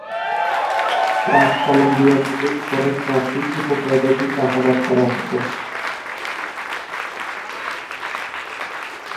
প্রাক-কলম্বিয়া যুগে উপরের চারটি উপ-প্রজাতিই চাষাবাদ করা হতো।